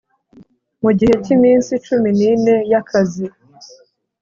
mu gihe cy iminsi cumi n ine y akazi